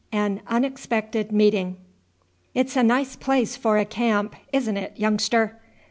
AN UNEXPECTED MEETING. "It is a nice place for a camp, isn't it, youngster?"